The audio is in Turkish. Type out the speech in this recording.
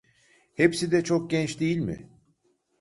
Hepsi de çok genç değil mi?